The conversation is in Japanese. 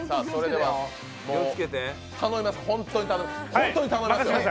本当に頼みますよ。